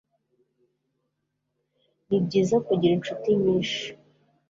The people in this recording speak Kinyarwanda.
Nibyiza kugira inshuti nyinshi.